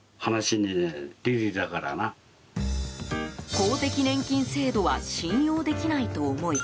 公的年金制度は信用できないと思い